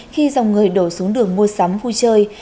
khi dòng người đổ xuống đường mua sắm vui chơi